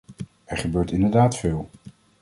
Er gebeurt inderdaad veel.